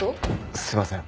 すいません。